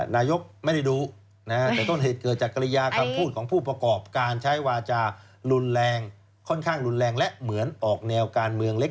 นายกไม่ได้รู้แต่ต้นเหตุเกิดจากกรยาคำพูดของผู้ประกอบการใช้วาจารุนแรงค่อนข้างรุนแรงและเหมือนออกแนวการเมืองเล็ก